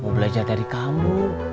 mau belajar dari kamu